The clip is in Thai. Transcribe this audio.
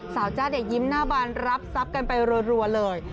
จ้าเนี่ยยิ้มหน้าบานรับทรัพย์กันไปรัวเลย